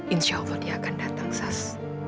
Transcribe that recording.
insya allah dia akan datang sas